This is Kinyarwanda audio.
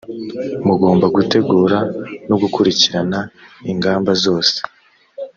mugomba gutegura no gukurikirana ingamba zose.